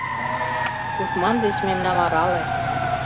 Тушман деч мемнам арале: